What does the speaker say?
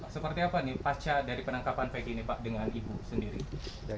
seperti apa nih pasca dari penangkapan vg ini pak dengan ibu sendiri